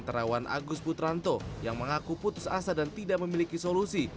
terawan agus putranto yang mengaku putus asa dan tidak memiliki solusi